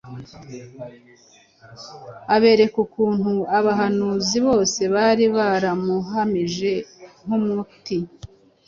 abereka ukuntu abahanuzi bose bari baramuhamije nk’umuti